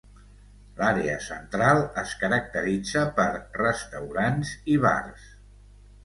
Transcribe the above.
L'àrea central es caracteritza per restaurants i bars.